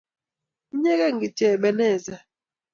Inyegei kityo Ebeneza